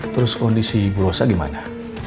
terus kondisi bu rosa gimana